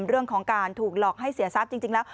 เรื่องของการถูกหลอกให้เสียทรัพย์จริงแล้ว